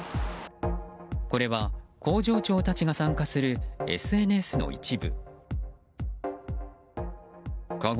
これは、工場長たちが参加するＳＮＳの一部。